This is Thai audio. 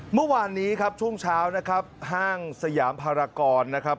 เมื่อวานนี้ครับช่วงเช้านะครับห้างสยามภารกรนะครับ